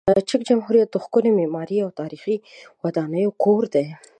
چک جمهوریت د ښکلې معماري او تاریخي ودانۍ کور دی.